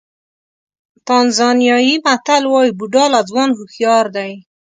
تانزانیايي متل وایي بوډا له ځوان هوښیار دی.